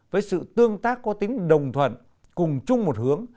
với sự tương tác có tính đồng thuận cùng chung một hướng